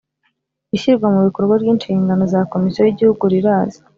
Ishyirwamubikorwa ry ‘inshingano za Komisiyo y’ Igihugu rirazwi